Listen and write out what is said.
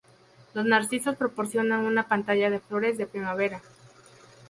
Los narcisos proporcionan una pantalla de flores de primavera.